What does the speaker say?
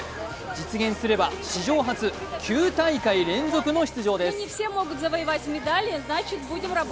実現すれば史上初、９大会連続の出場です。